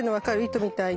糸みたいに。